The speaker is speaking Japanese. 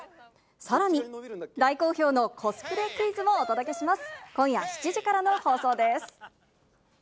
さらに、大好評のコスプレクイズもお届けします。